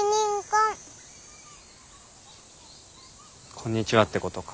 「こんにちは」ってことか。